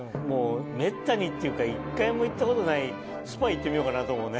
めったにっていうか一回も行ったことないスパ行ってみようかなと思うね。